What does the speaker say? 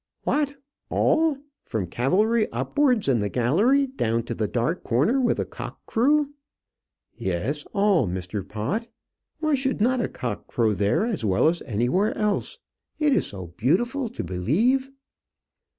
"What, all? from Calvary upstairs in the gallery down to the dark corner where the cock crew?" "Yes, all, Mr. Pott. Why should not a cock crow there as well as anywhere else? It is so beautiful to believe."